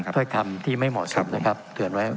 ถ้อยคำที่ไม่เหมาะสมนะครับเตือนไว้